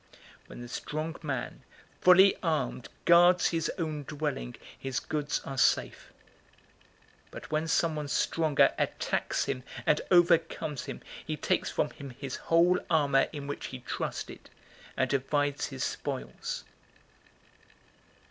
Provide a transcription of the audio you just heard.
011:021 "When the strong man, fully armed, guards his own dwelling, his goods are safe. 011:022 But when someone stronger attacks him and overcomes him, he takes from him his whole armor in which he trusted, and divides his spoils.